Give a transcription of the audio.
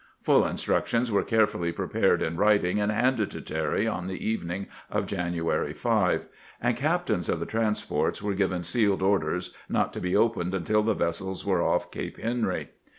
Full instructions were carefully prepared in writ ing, and handed to Terry on the evening of January 5 ; and captains of the transports were given sealed orders, not to be opened until the vessels were off Cape Henry.